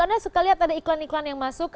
anda suka lihat ada iklan iklan yang masuk